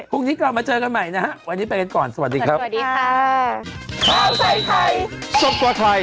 พรุ่งนี้กลับมาเจอกันใหม่นะวันนี้ไปกันก่อนสวัสดีครับ